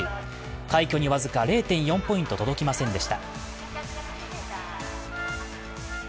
快挙に僅か０．４ポイント届きませんでした。